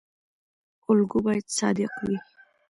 الګو باید صادق وي